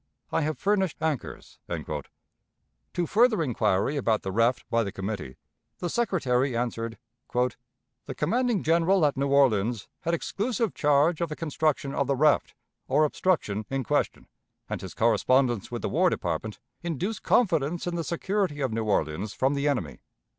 I have furnished anchors." To further inquiry about the raft by the Committee, the Secretary answered: "The commanding General at New Orleans had exclusive charge of the construction of the raft, or obstruction, in question, and his correspondence with the War Department induced confidence in the security of New Orleans from the enemy.